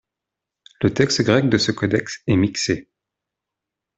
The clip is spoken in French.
Le texte grec de ce codex est mixé.